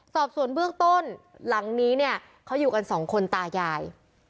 สอบสวนเบื้องต้นหลังนี้เนี่ยเขาอยู่กันสองคนตายาย